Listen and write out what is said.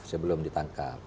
maaf sebelum ditangkap